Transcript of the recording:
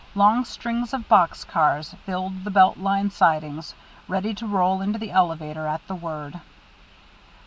Long strings of box cars filled the Belt Line sidings, ready to roll into the elevator at the word.